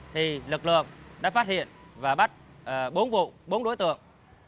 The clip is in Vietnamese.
thì lực lượng đã phát hiện và bắt bốn vụ bốn đối tượng